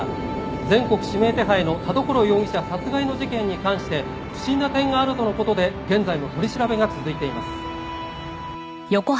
「全国指名手配の田所容疑者殺害の事件に関して不審な点があるとの事で現在も取り調べが続いています」